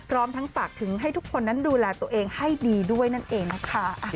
พร้อมทั้งฝากถึงให้ทุกคนนั้นดูแลตัวเองให้ดีด้วยนั่นเองนะคะ